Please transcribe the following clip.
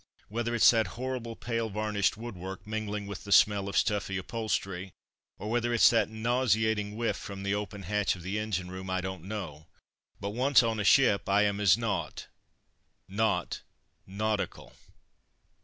Whether it's that horrible pale varnished woodwork, mingled with the smell of stuffy upholstery, or whether it's that nauseating whiff from the open hatch of the engine room, I don't know; but once on a ship I am as naught ... not nautical.